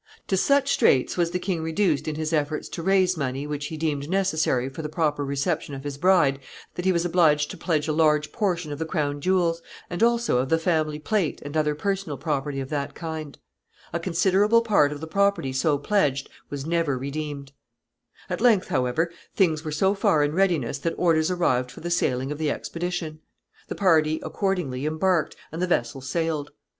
To such straits was the king reduced in his efforts to raise the money which he deemed necessary for the proper reception of his bride, that he was obliged to pledge a large portion of the crown jewels, and also of the family plate and other personal property of that kind. A considerable part of the property so pledged was never redeemed. [Sidenote: Passage across the Channel.] [Sidenote: Rough weather.] At length, however, things were so far in readiness that orders arrived for the sailing of the expedition. The party accordingly embarked, and the vessel sailed.